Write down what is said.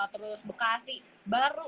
terus bekasi baru